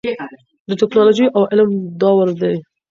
د ټیکنالوژۍ او علم دور دی.